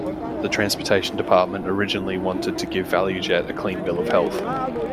The Transportation Department originally wanted to give ValuJet a clean bill of health.